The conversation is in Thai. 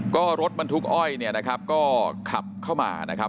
ก็รถบรรทุกอ้อยก็ขับเข้ามานะครับ